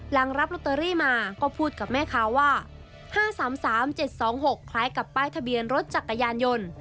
หลังรับลอตเตอรี่มาก็พูดกับแม่ค้าว่า๕๓๓๗๒๖คล้ายกับป้ายทะเบียนรถจักรยานยนต์